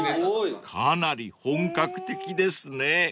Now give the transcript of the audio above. ［かなり本格的ですね］